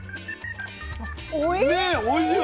おいしい！